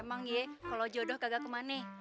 emang ya kalo jodoh kagak kemana